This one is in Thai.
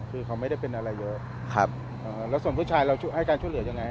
คือเขาไม่ได้เป็นอะไรเยอะแล้วส่วนผู้ชายเราให้การช่วยเหลือยังไง